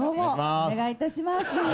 お願いいたします。